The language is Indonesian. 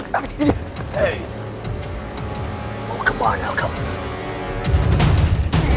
jangan lagi membuat onar di sini